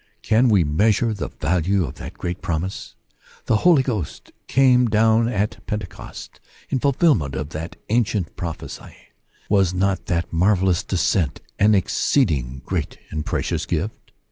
Can we measure the value of that great promise ? The H oly Ghost came down at Pentecost, in fulfilment of that ancient prophecy : was not that marvellous descent an exceeding great and precious gift